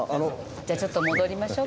じゃあちょっと戻りましょう。